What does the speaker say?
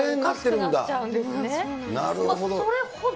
なるほど。